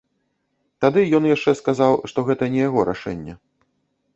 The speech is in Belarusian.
Тады ён яшчэ сказаў, што гэта не яго рашэнне.